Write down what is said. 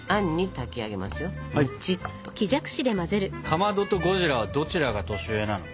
かまどとゴジラはどちらが年上なの？